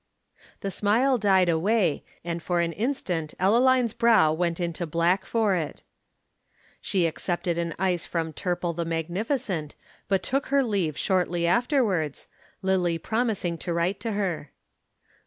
The smile died away and for an instant Ellaline's brow went into black for it. She accepted an ice from Turple the magnificent, but took her leave shortly afterwards, Lillie promising to write to her.